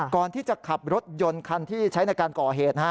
ก่อนที่จะขับรถยนต์คันที่ใช้ในการก่อเหตุ